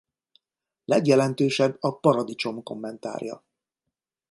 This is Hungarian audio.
Legjelentősebb a Paradicsom-kommentárja.